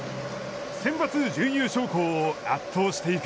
センバツ準優勝校を圧倒していく。